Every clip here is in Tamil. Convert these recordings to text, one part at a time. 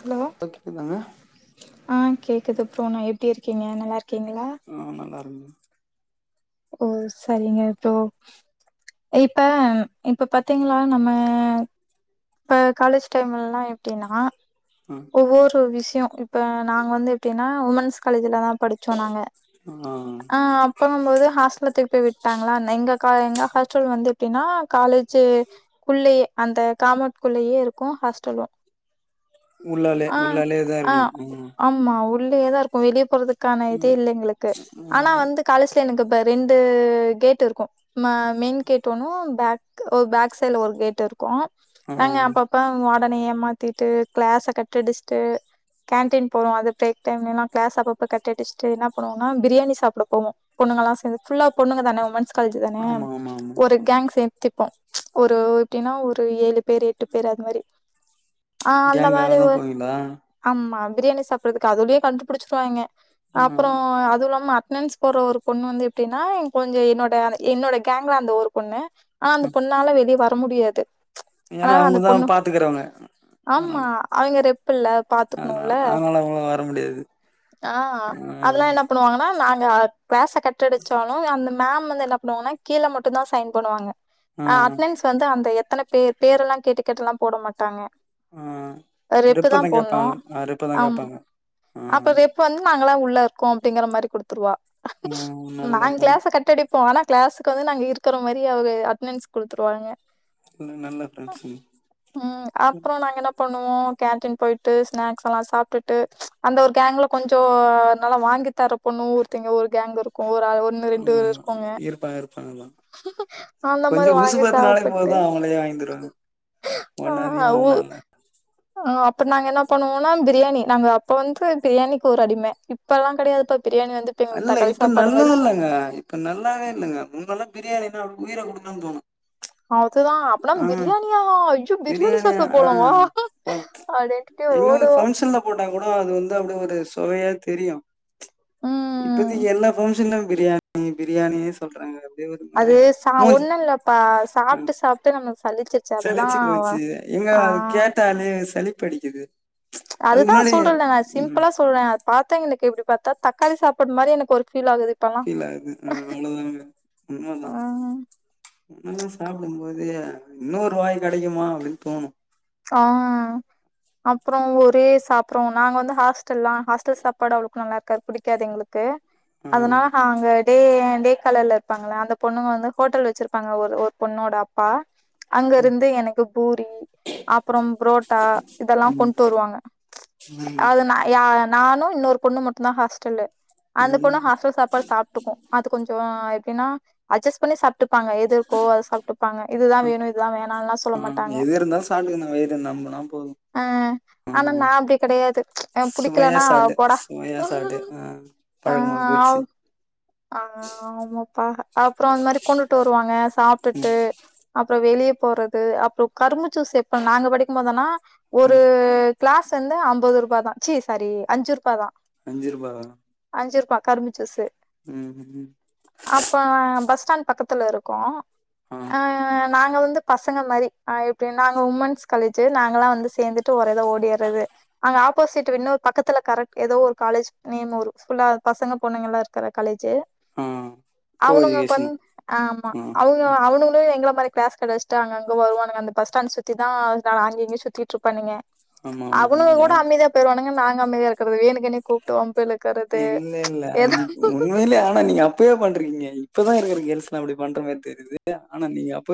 ஹலோ இப்ப கேக்குதாங்க ஆ கேக்குது ப்ரோ நா எப்டி இருக்கீங்க நல்லா இருக்கீங்களா நா நல்லா இருக்கேங்க ஓ சரிங்க ப்ரோ இப்ப இப்ப பத்தீங்களா நம்ம இப்ப காலேஜ் டைம்லல்லா எப்டின்னா ம் ஒவ்வொரு விஷ்யோ இப்ப நாங்க வந்து எப்டினா உமன்ஸ் காலேஜில தா படி ச்சோ நாங்க ஆ போகுபோது ஹாஸ்டல்ல தூக்கி போய் விட்டாங்களா ன எங்க கா எங்க ஹாஸ்டல் வந்து எப்டின்னா காலேஜு குள்ளயே அந்த காமொண்ட் குள்ளயே இருக்கு ஹாஸ்டலு உள்ளாலே ஆ உள்ளாலேதா ஆ இருக்கணு ம் ஆமா உள்ளேதா இருக்கோ. வெளியே போறதுக்கான இதே இல்ல எங்களுக்கு, ஆனா வந்து காலேஜ்ல எனக்கு இப்ப ரெண்டு கேட் இருக்கு. ம மெயின் கேட் ஒண்ணு, பேக் பேக்சைடுல ஒரு கேட் இருக். கு ஆ நாங்க அப்பப்ப வாடன ஏமாத்திட்டு கிளாஸ கட்டடிச்சுட்டு கேண்டீன் போவோ அது பிரேக் டைம்லல்லா கிளாஸ அப்பப்பா கட்டு அடிச்சுட்டு என்ன பண்ணுவோனா பிரியாணி சாப்ட போவோ. பொண்ணுங்க எல்லா சேந்து ஃபுல்லா பொண்ணுங்க தான உமன்ஸ் காலேஜ் தானே ஆமா ஆமா ஆமா ஒரு கேங் சேந் த்திப்போ ஒரு எப்டின்னா ஒரு ஏழு பேர் எட்டு பேர் அது மாரி ஆ இந்த மாதிரி கேங்காதா ஒரு போவீங்களா அம்மா ‌பிரியாணி சாப்டுறதுக்கு அதுலயே கண்டுபிடிச்சிருவாங்கே ஆ அப்பறோ அதுவு இல்லாம அட்னஸ் போற ஒரு பொண்ணு வந்து எப்டின்னா எ கொளுந்தியா என்னோட என்னோட கேங்ல அந்த ஒரு பொண்ணு அ அந்த பொண்ணால வெளிய வர முடியாது. என்னனா அவுங்கதா பாத்துகிறாங்க மா அவ்ங்க ரெப் புல்ல அதனா பாத்துக்கணுல அதனால அவங்கள வர முடியாது ஆ அதல்லா என்ன ஆ பண்ணுவாங்கன்னா நாங்க கிளாஸ்ஸ கட்டுடடிச்சாலு அந்த மேம் வந்து என்னா பண்ணுவாங்கன்னா கீழ மட்டு தா சைன் பண்ணுவாங்க. ஆ அ அட்னன்ஸ் வந்து அந்த எத்தன பேர் பேரெல்லா கேட்டு கேட்டுல்லா போட மாட்டாங்க. ஆ ரெப்பு ரெப்பதா தான் கேப்பாங்க போடணும். ஆ ரெப்பதா ஆமா. கேப்பாங்க‌ அப்ப ரெப் வந்து நாங்கல்லா உள்ள இருக்கோ அப்டிங்குற மாரி குடுத்துருவா ம் நல்ல நாங்க நல்ல கிளாஸ்ஸ கட்டடிப் போ ஆனா கிளாஸ்க்கு வந்து நாங்க இருக்குற மாரி அவ்க அட்டெனஸ் குடுத்துருவாங்க உண்மலே நல்ல ஃபிரண்ட்ஸ்ங்க [inaudible] பண்ணுவே கேண்டீன் போய்ட்டு ஸ்நாக்ஸ் எல்லா சாப்ட்டுட்டு அந்த ஒரு கேங்க்ல கொஞ்சோ நல்லா வாங்கி தர பொண்ணு ஓருத்தி எங்க ஒரு கேங்கு இருக் ஆமா இருப்பாங்க இருப்பாங்க [inaudible] அந்த கொஞ்சோ மாரி வாங்கி ஊசுப்பேத்துனலே போது சாப்புட்டு அவுங்கலே வாங்கி தருவாங்க ஒண்ணு அதிகமால இல்ல ம் அப்ப நாங்க என்ன பண்ணுவோன ப்ரியாணி நாங்க அப்பே வந்து ப்ரியாணிக்கு ஒரு அடிம இப்போல்லா கெடையாதுப்பா ப்ரியாணி வந்து இப்ப எங்களுக்கு இல்லல்ல தக்காளி இப்ப சாப்பாடு நல்லா மாரி இல்லங்க இப்ப நல்லாவே இல்லங்க முன்னொல்லா ப்ரியாணினா உயிர குடுக்குனு தோணு அதுதா அப்பனா ப்ரியாணியா ஐயோ ப்ரியாணி பிரியாணி சாப்ட ஆ போல வா அப்டின்டிட்டி ஒடுவோ போட்ட கூட அது வந்து அப்டி ஒரு சுவைய தெரியு உம் இப்போதிக்கு எல்லா ஃங்க்ஷன்ல ப்ரியாணி ப்ரியாணினு சொல்றாங்க அப்படியே ஒரு அது மாதிரி ச மூஞ்சி ஒண்ணு இல்லப்பா ஆ, சாப்ட்டு சாப்ட்டு நமக்கு சலிச்சி சலிச்சு போச்சு எங்க அதா கேட்டாலே சலிப்படிக்குது. அதுதா சொல்றன்ல [inaudible] சிம்பிளா சொல்றே அது பாத்த எனக்கு எப்டி பாத்தா தக்காளி சாப்ட்டு மாரி எனக்கு ஒரு ஃபீல் ஆகுது இப்பெல்லாம் ஃபீல் ஆவுது ம் அவ்ளோதாங்க உண்மதா உம் முன்னெல்லா சாப்டுபோதே இன்னொரு வாய் கெடைக்குமா அப்டின்னு தோணு ஆ அப்றோ ஒரே சாப்றோ நாங்க வந்து ஹாஸ்டல்லா ஹாஸ்டல் சாப்பாடு அவ்ளோக்கு நல்லா இருக்காது புடிக்காது எங்களுக் கு ஆ அதனால ஹா அங்க டே டே காலர்ல இருப்பாங்கள அந்த பொண்ணுங்க வந்து ஹோட்டல் வச்சிருப்பாங்க ஒரு, ஒரு பொண்ணோட அப்பா. அங்க இருந்து எனக்கு பூரி அப்றோ புரோட்டா இதெல்லா ம் கொண்டு வருவாங்க ம் அத நா யார நானு இன்னொரு பொண்ணு மட்டுதா ஹாஸ்டல்லு அந்த பொண்ணு இங்கேயே ஹாஸ்டல் சாப்பாடு சாப் டுக்கு அது கொஞ்சோ எப்டின்னா அட்ஜஸ் பண்ணி சாப்ட்டுப்பாங்க ஏது இருக்கே அத சாப்ட்டுப்பாங்க இதுதா ஆ வேணு இதுதா வேணால்ல சொல்ல மாட்டாங்க. [unintelligible] வயதா நம்புனா போதும். ஆ ஆனா நா அப்டி கெடையாது எனக் சுவையா புடிக்கலனா சாப்ட்டே போடா சுவையா சாப்ட்டே ஆ ஆ பழக்கமா போச்சு அவ் ஆ ஆமாப்பா அப்றோ அந்த மாரி கொண்டுட்டு வருவாங்க. சாப்ட்டுட்டு ம் அப்றோ வெளியே போறது அப்றோ கரும்பு ஜூஸ் இப்ப நாங்க படிக்கு போதுல்லா ஒரு ம் கிளாஸ் வந்து ஐம்பது ரூபா தா ச்சி சாரி அஞ்சு ரூபா தா அஞ்சு ரூபா தானா அஞ்சு ருபா கரும்பு ஜிஸ்ஸு ம் ம் அப்ப பஸ் ஸ்டாண்ட் பக்கத்துல இருக்கோ ஆ அ நாங்க வந்து பசங்க மாரி ஆ எப்டி நாங்க உமன்ஸ் காலேஜ்ஜி நாங்கல்லா வந்து சேந்துட்டு ஒரேதா ஓடிறது அங்க ஆப்போசிட் இன்னொர் பக்கத்துல கரெட் எதோ ஒரு காலேஜ் நேமூரு ஃபுல்லா பசங்க பொண்ணுங்கலா இருக்குற காலேஜு ஆ கோ அவனுங்கள்க் வந் எஜுகேஷனு ஆமா ஆ அவுங் க ம் அவனுங்குளே எங்கள மாரி கிளாஸ் கட்டடுச்டாங்க அங்க வருவானுங்க அந்த பஸ்டான் சுத் திதா அவ்ங் அங்க எங்கயு சுத்திட்ருப்பானுங்க ஆமா ஆமா ஆமா அவனுங்க யா. கூட அமைதியா பேய்ருவானுங்க நாங்க அமைதியா இருக்கறதுல வேனுக்குனே கூ ட்டு வம்பிழுக்குற இல்ல இல்ல அன்னிக் உண்மைலே ஆனா நீங்க அப் பயே பண்றீங்க இப்பதா இருக்கிற கேள்ஸ்லா அப்டி பண்ற மாரி தெரிது ஆனா நீங்க அப்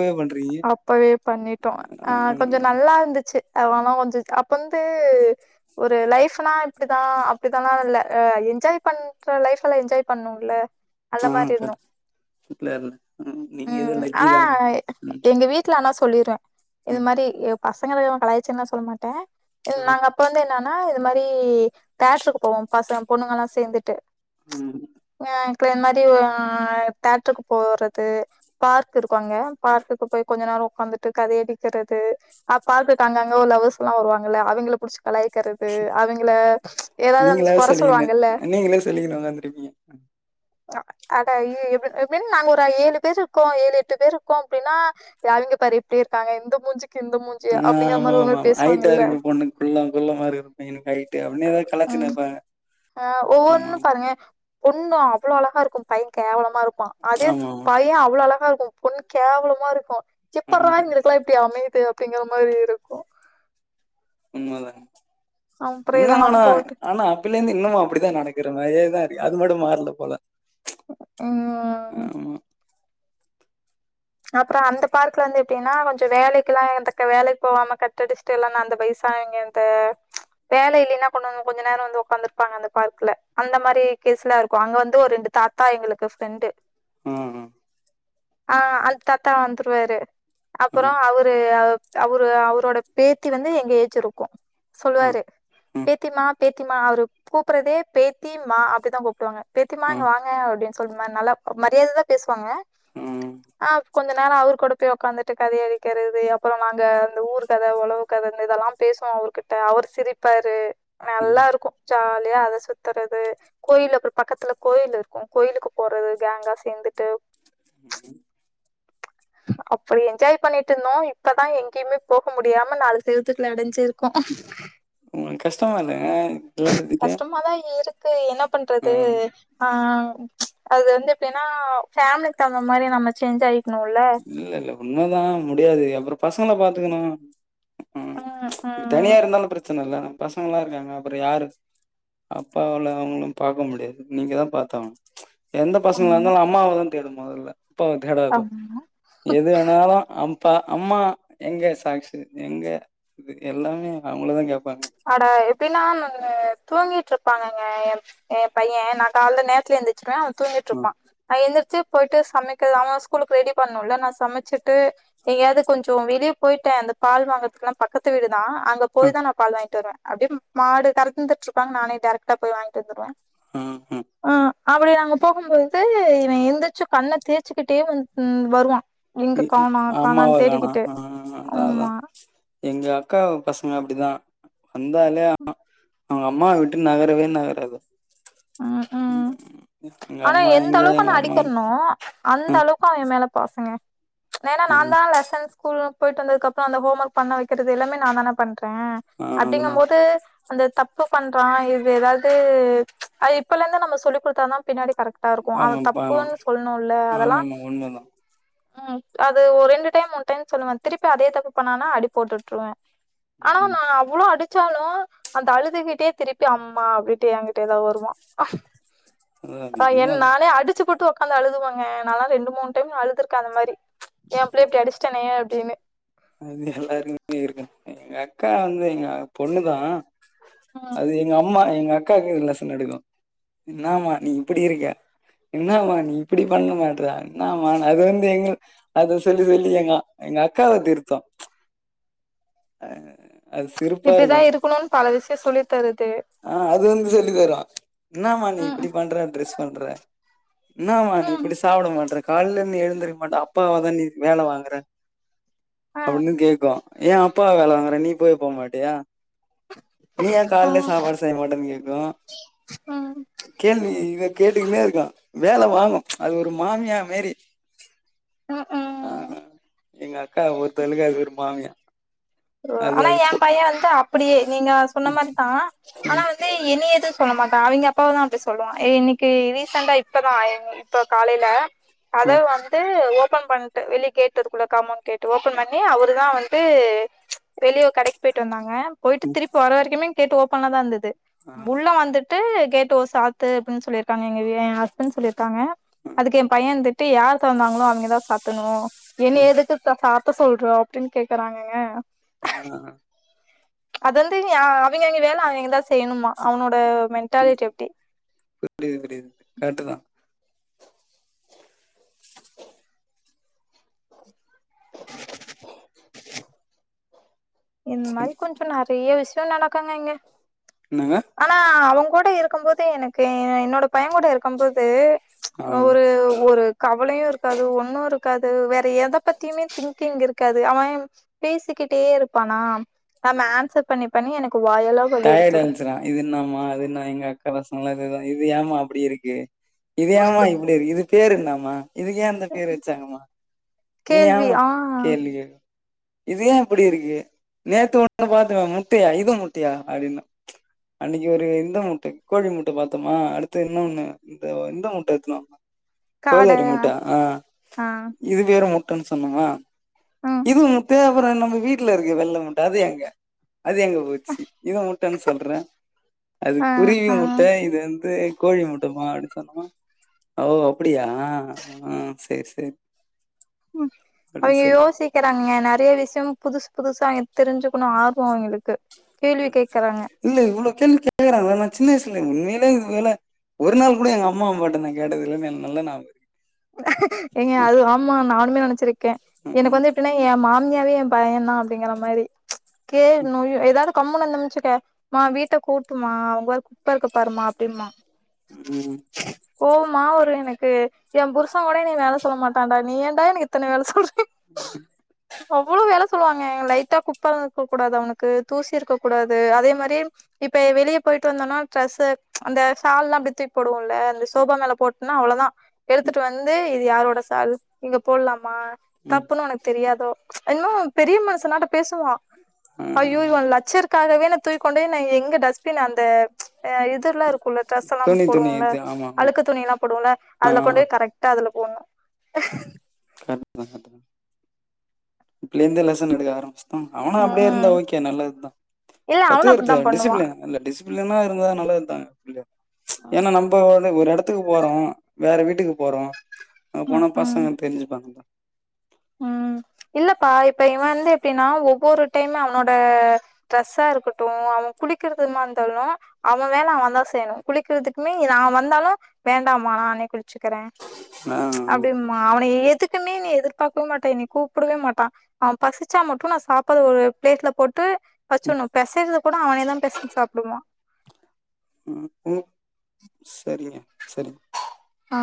அப்பவே பண்ணிட்டோ ஆ கொஞ்சோ நல்லா இருந்துச்சு எவனோ வம்பிழ்த்து அப் வந்து ஒரு லைஃபுனா இப்டிதா அப்டிதனா இல்ல அ என்ஜாய் பண்ற லைஃபுல என்ஜாய் பண்ணுல அந்த ஆ மாரி இருந்தோ கரெக்ட் சூப்பரா இல்ல நீங்க ம் ஏதோ ம் லக்கி ஆனா தாங்க ம் எங்க வீட்ல ஆனா சொல்லிர்வே இது ம் மாரி பசங்கலேவோ கலாய்ச்சேன்லா சொல்ல மாட்ட இதீ ஆ நாங்க அப்ப வந்து என்னனா இது மாரி தேட்ருக்கு போவோ பசங்க பொண்ணுங்கலா சேந்துட்டு ம் எங்கயா து மாரி ஒ ஆ தேட்டருக்கு போறது பார்க் இருக்கு அங்க பார் குக்கு போய் கொஞ்ச நேரோ உக்காந்துட்டு கதை அடிக்கிறது அ பார்குக்கு அங்கங்க ஒர் லவ்வர்ஸ்லா வருவாங்கல அவங்கள புடிச்சு கலாயக்கிறது அவிங்குள எதாது அந்த நீங்களா கொற சொல்லிக்கினு சொல்லுவாங்கல்ல நீங்களே சொல்லிக்கினு உக்காந்துருப்பீங்க அதா எ எப்புன் எப்பின் நாங்க ஒரு ஏழு பேர் இருக்கோ ஏழு எட்டு பேரு இருக்கோ அப்டினா எ அவிங்க பாரு எப்டி இருக்காங்க இந்த மூஞ்சுக்கு இந்த மூஞ்சுயா அப்டிங்கிற மாரி ஒரு மாரி பேசுவாங்கல்ல குள்ளம் குள்ள மா இருக்குற பையனுக் கய்ட்டு அப்டின்னு எதா கலாய்ச்சுன் ம் இருப்பாங்க அ ஆமா ஒவ்வொன்னு பாருங்க பொண்ணு அவுளோ அழகா இருக்கு பையன் கேவலமா இரு பா அதே ஆமா ஆமா பைய அவுளோ அழகா இருக்கு பொண்ணு கேவலமா இருக்கு எப்புட்றா ஆமா இவங்கலுகுலா இப் டி அமைது அப்டிங்கிற மாரி இருக்கு உண்மதாங்க அப்புறம் இன்னும் இதெல்லாம் ஆனா போட்டு ஆனா அப்பேல இருந்து இன்னமு அப்பிடிதா நடக்கிற மாரியேதா இருக்கு அது மட்டு மார்ல போல இவ்ங்க ஆமா அப்புறோ அந்த பார்க்ல வந்து எப்டினா கொஞ்சோ வேலைக்குலா இருந்துக்க வேலைக் போவாம கட்டடிஸ் டெலானா அந்த வய்சானவைங்க அந்த வேல இல்லைன்னா கொண்டுவந்து கொஞ்ச நேரோ வந்து உக்காந்திருப்பாங்க அந்த பார்க்குல அந்த மாரி கேஸ்லா இருக்கு அங்க வந்து ஒரு ரெண்டு தாத் தா எங்குளுக்கு ஃபிரெண்டு ம் ம் ஆ அந் தாத்தா வந்துருவாரு ஆ அப்புறோ அவ ரு அவ் அவுரு அவுரோட பேத்தி வந்து எங்க ஏஜ் இருக்கு ஆ சொல்லுவாரு பேத்திமா பேத்திமா அவரு கூப்புறதே பேத்தி மா அப்டிதா கூப்டுவாங்க பேத்திமா ஆ ஆ இங்க வாங்க அப்டின் சொல்மா நல்லா மரியாததா பேசுவாங்க ம் ஆ கொஞ்ச நேரோ அவரு கூட போய் உக்காந்துட்டு கதை அடிக்கிறது அப்புறோ நாங்க அந்த ஊரு கத ஒழவு கத இந்த இதலாம் பேசுவோ அவர்கிட்ட அவரு சிரிப்பாரு ஆ நல்லா இருக்கு ஜாலியா அத சுத்துறது கோயில் அப்புறு பக்கத்துல கோயில் இருக்கு கோயிலுக்கு போறது கேங்கா சேந்துட்டு அப்புடி என்ஜாய் பண்ணிட்டுருந்தோ இப்பதா எங்கியுமே போக முடியாம நாலு செவ்த்துக்குள அடஞ்சிருக்கோ உங்கள்க் கஷ்டமா இல்லையா கஷ்டமாதா இருக்கு என்ன ஆ பண்றது ஆ அது வந்து எப்டின்னா ஃபேமிலிக்கு தகுந்த மாரி நம்ம சேஞ்ச் ஆயிக்கணுல்ல இல்ல இல்ல உண்மதா முடியாது அப்றோ பசங்கள பாத்துக்கணு ம் இப்ப தனியா இருந்தாலு பிரச்சன இல்ல நம்ம பசங்க எல்லா இருக்காங்க அப்றோ யாரு அப்பாவால அவங்களும் பாக்க முடியாது நீங்க தா பாத்தாவனு எந்த பசங்களா ஆமா இருந்தாலு அம்மாவதா தேடும் மொதல்ல அப்பாவ தேடாது ஆமா எது வேணாலு அப்பா அம்மா எங்க சாக்ஸு எங்க இது எல்லாமே அவங்களதா கேப்பாங்க அடா எப்டின்னா நாங்க தூங்கிட்டு இருப்பாங்கங்க எ எ பைய நா கால்ல நேரத்துல எந்திச் சிருவே அவ தூங்கிட்டு ம் இருப்பா நா எந்திரிச்சு போயிட்டு சமைக்க அவ ஸ்கூலுக்கு ரெடி பண்ணுல நா சமச்சிட்டு எங்கயாவது கொஞ்சோ வெளியே போயிட்டே அந்த பால் வாங்கறதுக்குல்லா பக்கத்து வீடுதா அங்க ம் போய் தா நா பால் வாங் கிட்டு வருவே அப்டியே மாடு கறந்துட்ருப்பாங்க நானே டேரக்டா போய் வாங்கிட்டு வந்துருவே ம் ம் ஆ அப்டி அங்க போகும்போது இவ எந்திருச்சு கண்ண தேச்சிக்கிட்டே வந் வருவா எது அம்மாவ காணோ ஆ அதா அதா ஆமா எங்க அக்கா பசங்க அப்டிதா வந்தாலே ஆ அவங்க அம்மாவ விட்டு நகரவே நகராது ஆ ஆ எங்க ஆனா அம்மா எந்த எங்க அளவுக்கு எங்க நா அம்மா அடிக்கிறனோ அந்த ம் அளவுக்கு அவ ஏ மேல பாசங்க ஏனா நான்தா ம் லெசன் ஸ்கூலு போயிட்டு வந்ததுக்கு அப்றோ அந்த ஹோம் ஒர்க் பண்ண வைக்கிறது எல்லாமே நான் தானே பண்றே ஆ அப்டிங்கும் அதனால போது அந்த தப்பு பண்றா இது ஏதாது அ இப்பயில இருந்து நம்ம சொல்லிக் குடுத்தா தா பின்னாடி கரெக் டா இருக்கு அது ஆமாப்பா தப்புனு சொல்ணுல்ல அதெல்லா ஆமாமா உண்மதா ம் அது ஒரு ரெண்டு டைம் மூணு டைம்னு சொல்லுவே திருப்பி அதே தப்பு பண்ணானா அடி போட்டுட்ருவே ஆனா ம் நா இவ்ளோ அடிச்சாலு அந்த அழுதுகிட்டே திருப்பி அம்மா அப்டின்டு என்கிட்டேதா வருவா அதா அது ஆ என் உண்மதா நானே அடிச்சுப்புட்டு உக்காந்து அழுதுவேங்க நாலா ரெண்டு மூனு டைம் அழுதுருக்கே அந்த மாரி ஏ புள்ளைய இப்டி அடிச்சுட்டேனே அப்டின்னு அது எல்லாருக்குமே இருக்கு எங்க அக்கா வந்து எங்க பொண்ணுதா ம் அது எங்க அம்மா எங்க அக்காக்கு லெசன் எடுக்கு என்னமா நீ இப்டி இருக்க என்னமா நீ இப்டி பண்ண மாட்ற என்னமா அது வந்து எங்க அத சொல்லி சொல்லி ஏங்கு எங்க அக்காவ திருத்து அ அது சிரிப்பா இப்டிதா இருக்கு இருக்கணுன்னு பல விஷயோ சொல்லி தருது ஆ அது வந்து சொல்லிதரு இன்னம்மா நீ ம் இப்டி பண்றே ட்ரெஸ் பண்றே இன்னம்மா நீ ம் இப்படி சாப்பிட மாட்றே காலைல இருந்து எழுந்திருக்க மாட்ட அப்பாவ தா நீ வேல வாங்குறே ஆ அப்டினு கேக்கு ஏ அப்பா வேல வாங்குற நீ போய் போமாட்டியா நீ ஏ ஆ காலைல சாப்பாடு செய்ய மாட்டேன்னு கேக்கு ம் கேள்வி இத கேட்டுக்கின்னே இருக்கு வேல வாங்கு அது ஒரு மாமியா மாரி ஆ ஆ எங்க அக்கா பொருத்தளக்கு அது ஒரு மாமியா ஓ அது ஆனா அது எ போ பைய வந்து அப்டியே நீங்க சொன்ன மாரிதா ஆனா வந்து என்னைய எது சொல்ல மாட்டா அவிங்க அப்பாவதா அப்டி சொல்லுவா ஏ இன்னைக்கு ரீசெண்டா இப்பதா எங் இப்ப காலைல ம் அதவு வாங்க டு ஓபன் பண்ணிட்டு வெளிய கேட்டு இருக்குள்ள காமௌன்ட் கேட்டு ஓபன் பண்ணி அவரு தா வந்து வெளியோ ஒரு கடைக்குக் போயிட்டு வந்தாங்க போயிட்டு ம் திருப்பி வர வரைக்குமே கேட்டு ஓப்பன்லதா இருந்தது ஆ உள்ள வந்துட்டு துட்டு கேட்ட ஓ சாத்த அப்படின்னு சொல்லிருக்காங்க எங்க என் ஹஸ்பண்ட் சொல்லிருக்காங்க அதுக்கு என் பையன் யார் தொரந்தாங்களோ அவங்கதா சாத்தனு ஆ என்னைய எதுக்கு கேட்டா சாத்த சொல்றோ அப்டின்னு கேக்குறாங்கங்க ஆ அது வந்து அவிங்க அவிங்க வேல அவிங்கதா செய்ணுமா அவனோட மென்டாலிட்டி அப்டி புரியிது புரியிது கரெக்ட்டுதா இந்த மாரி கொஞ்சோ நறையோண விஷ்யோ நடக்குங்க இங்க என்னங்க ஆனா அவங் கூட இருக்கும் போது எனக்கு என்னோட பையன் கூட இருக்கும் போது ம்ச் ஆ ஒரு ஒரு கவலயு இருக்காது ஒண்ணு இருக்காது வேற எத பத்தியுமே திங்கிங் இருக்காது அவன் பேசிக்கிட்டே இருப்பானா நம்ம ஆன்சர் பண்ணி பண்ணி எனக்கு வாயல்லா டயர்ட்டு இருந்துச்சுன்னா இதுன்னாமா அது என்ன எங்க அக்கா [unintelligible] அதேதா இது ஏமா அப்டி இருக்கு இது ஏமா இப்படி இருக்கு இது பேரென்னாமா இதுக்கு ஏ என்ன பேர் வெச்சாங்கமா நீ கேள்வி ஏமா ஆ கேள்வி கேக்ற இது ஏ இப்டி இருக்கு நேத்து ஒண்ணு பாத்தவே முட்டையா இது முட்டையா அப்டின்னா அன்னிக்கு ஒரு இந்த மூட்ட கோழி மூட்ட பத்தோமா அடுத்து இன்னு ஒண்ணு இந்த இந்த முட்ட எத்துனு வந்த காட கவுதாரி முட்ட ஆ ஆ இது பேரு முட்டேன்னு சொன்னோமா ம் இதுவு முட்ட அப்புறோ நம்ப வீட்ல இருக்கு வெள்ள முட்ட அது எங்க அது எங்க போச்சி இது முட்டேனு சொல்றே அது ஆ குருவி ஆ முட்ட இது வந்து கோழி முட்டமா அப்படி சொன்னம்மா ஓ அப்படியா ஆ செரி செரி உம் ஐயையோ ஐயையோ சீ கேக்கறாங்க நறிய விஷ்யோ புதுஸ் புதுசா தெரிஞ்சுக்கணு ஆர்வோ அவங்களுக்கு கேள்வி கேக்குறாங்க இல்ல இவ்ளோ கேள்வி கேக்குறாங்களே நா சின்ன வய்சுல உண்மையிலே இது வேல ஒரு நாள் கூட எங்க அம்மா அப்பாட்ட நா கேட்டதுல்ல எனுக்கு நல்ல ஞாபோகோ இருக்கு ஏங்க அது ஆம்மா நானுமே நெனச்சிருக்கே எனக்கு ம், வந்து எப்படினா எ மாமியாவே எ பையன்தா அப்படிங்கிற மாரி ம்ச் கே நொய் ஏதாவது கம்முணு இருந்தோனு வச்சுக்கோ மா வீட்ட கூட்டுமா அங்பாரு குப்ப இருக்க பாருமா அப்பின்பாங்க உம் கோவமா வரு எனுக்கு எ புருஷங்கோட என்னைய வேல சொல்ல மாட்டான்டா நீ ஏன்டா எனுக்கு இத்தன வேல சொல்ற உம் அவ்வளோ வேல சொல்லுவாங்க லைட்டா குப்ப இருக்க கூடாது அவனுக்கு தூசி இருக்க கூடாது அதே மாரி இப்ப வெளிய போயிட்டு வந்தோன்னா ட்ரெஸ்சு அந்த ம்ச் ஷால்லா அப்டி தூக் போடுவோம்ல அந்த சோபா மேல போட்னா அவ்ளதா எடுத்துட்டு வந்து இது யாரோட சால் இங்க போடுலாமா ம், தப்புன்னு உனுக்கு தெரியாதோ ம்ச் என்னம்மோ பெரிய மனசனாட்டோ பேசுவா ஆ. ஐயோ ஏ லட்சர் காகவே நா தூக்கி கொண்டோயி நா எங்க போய் டஸ்ட்பின் அந்த ம்ச் இது இதுல்லா இருக்குல டிரெஸ்ஸெல்லா துணி துணி போடுவோல்ல இது ஆமா ஆமா அழுக்கு துணில்லா போடுங்கள்ல ஆ அதுல கொண்டு போய் கரெக்டா அதுல போடணு [unintelligible] எந்த லெசன் எடுக்க ஆரம்பிச்சே ம் அவனு அப்டியே இருந்தா ம் ஓகே நல்லதுதா இல்ல அவனு கத்துக்கற்து அப்டித்தா பண்ணுவா டிசிப்ளின் இல்ல டிசிப்ளின்னா இருந்தா நல்லதுதாங்க ம் ஏன்னா நம்ப வந்து ஒரு எட த்துக்கு போறோ வேற வீட்டுக்கு போறோ அங்க ம் போனா ம் பசங்க தெரிஞ்சுப்பாங்கல ம் இல்லப்பா இப்ப இவ வந்து எப்டின்னா ஒவ்வொரு டைம் அவ்னோட ட்ரெஸ்ஸா இருக்கட்டு அவ குளிக்கிறதுமா இருந்தாலு அவ வேல அவன்தா செய்ணு குளிக்கிறதுக்குமே நா வந்தாலு வேண்டாமா நானே குளிச்சுக்குறே ஆ அப்டின்மா அவன எதுக்குன்னே என்னைய எதிர் பாக்கவு மாட்டே என்னைய கூப்புடவே மாட்டா அவ பசிச்சா மட்டு நா சாப்பாடு ஒரு பிளேட்ல போட்டு ம், வெச்சுட்னு பெசைறது கூட அவனேதா பெசஞ்சு சாப்டுவா ம் ம் செரிங்க செரிங் ஆ